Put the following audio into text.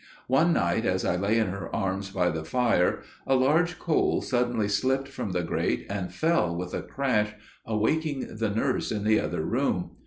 "One night as I lay in her arms by the fire, a large coal suddenly slipped from the grate and fell with a crash, awaking the nurse in the other room.